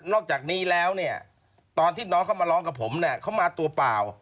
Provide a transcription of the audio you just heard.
อกจากนี้แล้วเนี่ยตอนที่น้องเขามาร้องกับผมเนี่ยเขามาตัวเปล่า